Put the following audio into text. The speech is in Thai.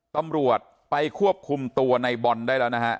ตำรวจไปควบคุมตัวในบอลได้แล้วนะฮะ